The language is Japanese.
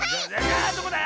あどこだ